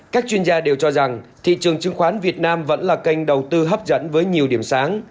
các chuyên gia đều cho rằng thị trường chứng khoán việt nam vẫn là kênh đầu tư hấp dẫn với nhiều điểm sáng